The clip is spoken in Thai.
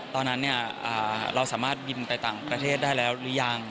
ตอนนั้นเราสามารถบินไปต่างประเทศได้แล้วหรือยัง